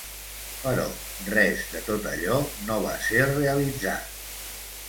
Però res de tot allò no va ser realitzat.